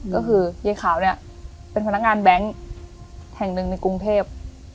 ก็คือยายขาวเนี่ยเป็นพนักงานแบงค์แห่งหนึ่งในกรุงเทพ